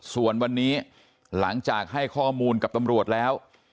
ส่วนวันนี้หลังจากให้ข้อมูลกับตำรวจแล้ว